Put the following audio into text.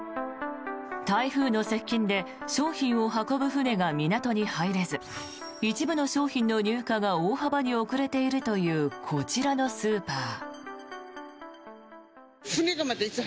台風の接近で商品を運ぶ船が港に入れず一部の商品の入荷が大幅に遅れているというこちらのスーパー。